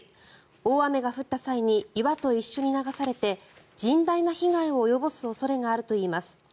大雨が降った際に岩と一緒に流されて甚大な被害を及ぼす可能性があるといいます。